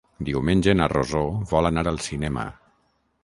Diumenge na Rosó vol anar al cinema.